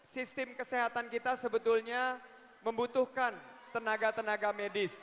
sistem kesehatan kita sebetulnya membutuhkan tenaga tenaga medis